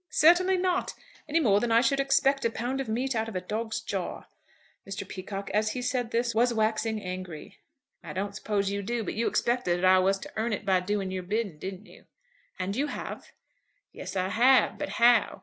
"Certainly not, any more than I should expect a pound of meat out of a dog's jaw." Mr. Peacocke, as he said this, was waxing angry. "I don't suppose you do; but you expected that I was to earn it by doing your bidding; didn't you?" "And you have." "Yes, I have; but how?